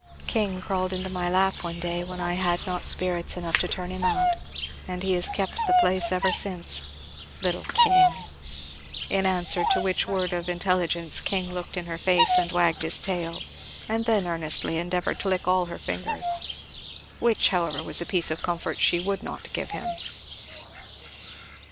King crawled into my lap one day when I had not spirits enough to turn him out, and he has kept the place ever since. Little King!" In answer to which word of intelligence King looked in her face and wagged his tail, and then earnestly endeavoured to lick all her fingers. Which however was a piece of comfort she would not give him.